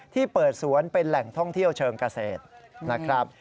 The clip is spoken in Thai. ที่เปิดสวนเป็นแหล่งท่องเที่ยวเชิงเกษตรนะครับ